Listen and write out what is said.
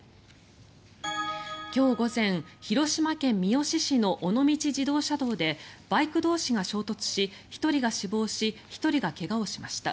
今日午前広島県三次市の尾道自動車道でバイク同士が衝突し１人が死亡し１人が怪我をしました。